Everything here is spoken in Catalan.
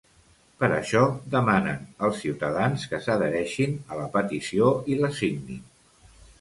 Per això demanen als ciutadans que s’adhereixin a la petició i la signin.